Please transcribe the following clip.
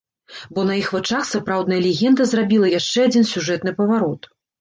Бо на іх вачах сапраўдная легенда зрабіла яшчэ адзін сюжэтны паварот.